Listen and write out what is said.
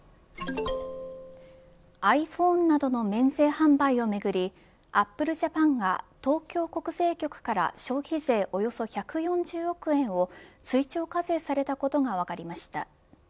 ｉＰｈｏｎｅなどの免税販売をめぐりアップルジャパンが東京国税局から消費税およそ１４０億円を追徴課税されたことが分かりました。